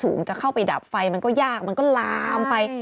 จะเข้าไปดับไฟมันก็ยากมันก็ลามไป